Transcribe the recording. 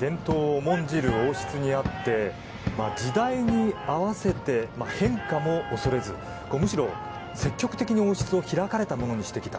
伝統を重んじる王室にあって、時代に合わせて変化も恐れずむしろ積極的に王室を開かれたものにしてきた。